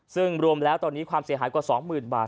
ซึ่งรวมแล้วตอนนี้ความเสียหายกว่า๒๐๐๐บาท